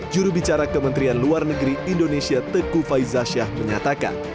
jurubicara kementerian luar negeri indonesia teguh faizasyah menyatakan